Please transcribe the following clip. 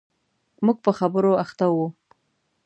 موږ په خبرو اخته و.